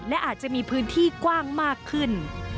และอาจจะมีพื้นที่กว้างมากขึ้น